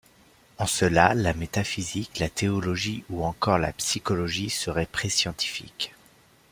En cela, la métaphysique, la théologie ou encore la psychologie seraient pré-scientifiques.